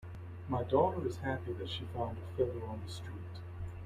My daughter is happy that she found a feather on the street.